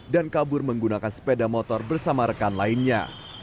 dan kabur menggunakan sepeda motor bersama rekan lainnya